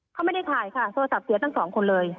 เขาไม่ได้ถ่ายค่ะโทรศัพท์เสียทั้งสองคนเลย